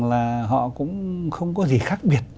là họ cũng không có gì khác biệt